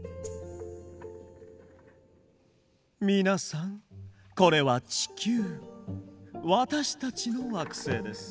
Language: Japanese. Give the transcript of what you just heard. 皆さんこれは地球私たちの惑星です。